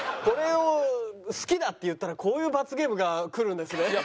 これを好きだって言ったらこういう罰ゲームが来るんですね。